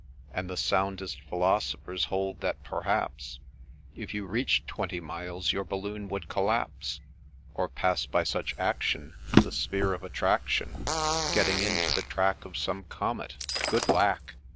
And the soundest Philosophers hold that, perhaps, If you reach'd twenty miles your balloon would collapse, Or pass by such action The sphere of attraction, Getting into the track of some comet — Good lack